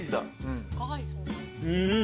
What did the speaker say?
うん。